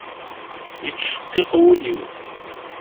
Yettceqqiq wul-iw.